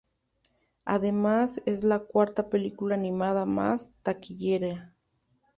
Además es la cuarta película animada más taquillera.